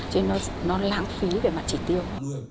cho nên nó lãng phí về mặt chỉ tiêu